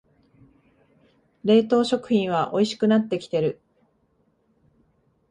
冷凍食品はおいしくなってきてる